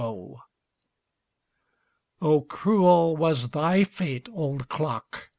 Oh, cruel was thy fate, old clock!